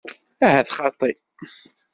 Ahat xaṭi.